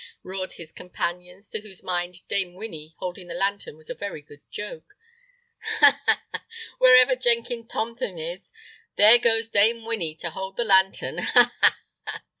roared his companions, to whose mind Dame Winny holding the lantern was a very good joke. "Ha! ha! ha! wherever Jenkin Thumpum is, there goes Dame Winny to hold the lantern. Ha! ha! ha!"